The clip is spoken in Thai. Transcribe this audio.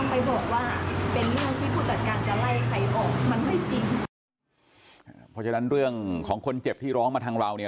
เพราะฉะนั้นเรื่องของคนเจ็บที่ร้องมาทางเราเนี่ย